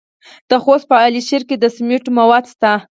د خوست په علي شیر کې د سمنټو مواد شته.